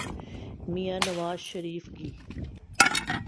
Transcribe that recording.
میاں نواز شریف کی۔